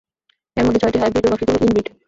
এর মধ্যে ছয়টি হাইব্রিড ও বাকিগুলো ইনব্রিড।